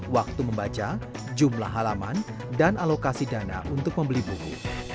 waktu membaca jumlah halaman dan alokasi dana untuk membeli buku